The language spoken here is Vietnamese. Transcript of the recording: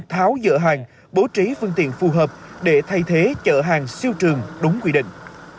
tháo dỡ hàng bố trí phương tiện phù hợp để thay thế chợ hàng siêu trường đúng quy định